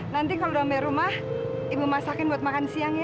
nanti kalau udah bayar rumah ibu masakin buat makan siang ya